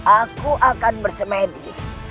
aku akan bersemedi